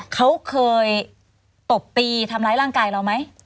เขาเคยตบตีทำร้ายร่างกายเราไหม